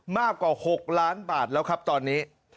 มากกว่า๖ล้านบาทแล้วครับตอนนี้